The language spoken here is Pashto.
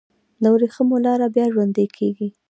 د وریښمو لاره بیا ژوندی کیږي؟